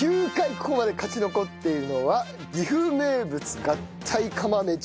ここまで勝ち残っているのは岐阜名物合体釜飯。